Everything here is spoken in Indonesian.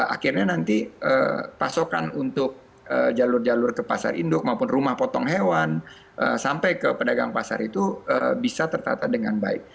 akhirnya nanti pasokan untuk jalur jalur ke pasar induk maupun rumah potong hewan sampai ke pedagang pasar itu bisa tertata dengan baik